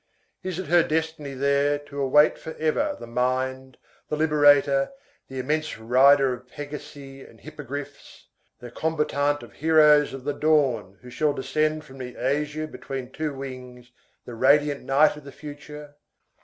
Is it her destiny there to await forever the mind, the liberator, the immense rider of Pegasi and hippogriffs, the combatant of heroes of the dawn who shall descend from the azure between two wings, the radiant knight of the future?